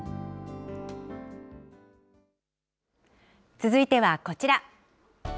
続いてはこちら。